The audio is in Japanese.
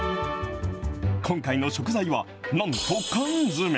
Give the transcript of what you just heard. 今回の食材は、なんと缶詰。